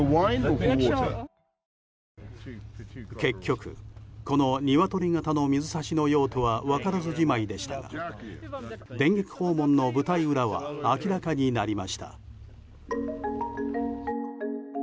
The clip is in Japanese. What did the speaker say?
結局、このニワトリ形の水差しの用途は分からずじまいでしたが電撃訪問の舞台裏は明らかになりました。